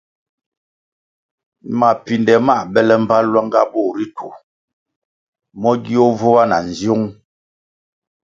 Mapinde mā bele mbpa lwanga bur ritu mo gio vubah na nziung.